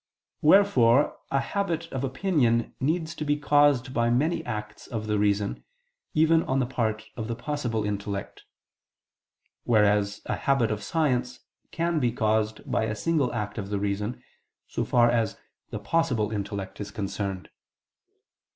Wherefore a habit of opinion needs to be caused by many acts of the reason, even on the part of the "possible" intellect: whereas a habit of science can be caused by a single act of the reason, so far as the possible intellect is concerned.